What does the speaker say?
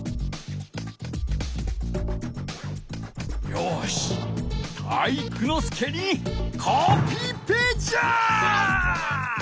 よし体育ノ介にコピペじゃ！